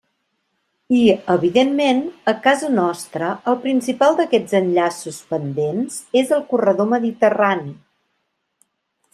I, evidentment, a casa nostra el principal d'aquests enllaços pendents és el corredor mediterrani.